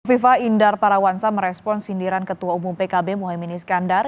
hovifa indar parawansa merespon sindiran ketua umum pkb muhyemini skandar